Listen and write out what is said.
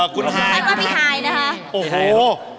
คุณไฮคุณพี่ไฮนะคะโอ้โห